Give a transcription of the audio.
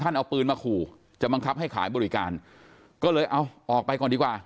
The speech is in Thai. ท่านเอาปืนมาครูจะบังคับให้ขายบริการก็เลยเอาไม่ก่อนดีกว่า